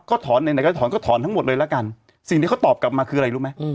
ก็ถอนไหนไหนก็ถอนก็ถอนทั้งหมดเลยละกันสิ่งที่เขาตอบกลับมาคืออะไรรู้ไหม